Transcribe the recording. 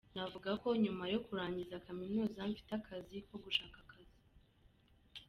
Navuga ko nyuma yo kurangiza kaminuza mfite akazi ko ‘gushaka akazi’.